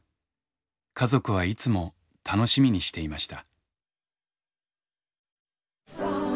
家族はいつも楽しみにしていました。